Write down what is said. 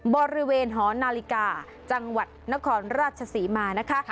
บริเวณหอนาฬิกาจังหวัดนครราชศรีมานะคะ